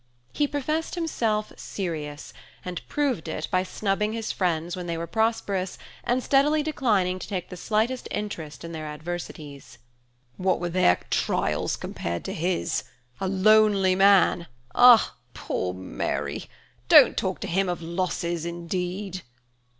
He professed himself "serious," and proved it by snubbing his friends when they were prosperous, and steadily declining to take the slightest interest in their adversities. "What were their trials compared to his? A lonely man–ah! poor Mary! don't talk to him of losses indeed!"